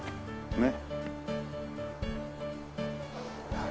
ねっ。